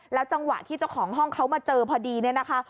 จังหวะที่เจ้าของห้องเขามาเจอพอดีเนี่ยนะคะ